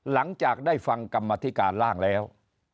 หลังจากได้ฟังกรรมธิการร่างแล้ว